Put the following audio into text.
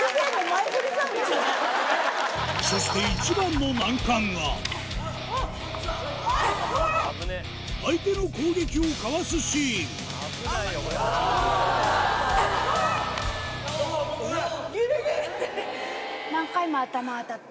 そして相手の攻撃をかわすシーン危ないよこれ。